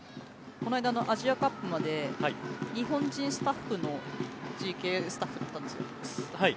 この間のアジアカップまで日本人スタッフの中継スタッフだったんですよ。